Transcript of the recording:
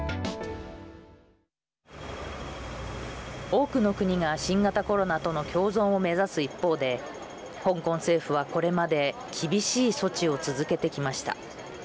多くの国が新型コロナとの共存を目指す一方で香港政府は、これまで厳しい措置を続けてきました。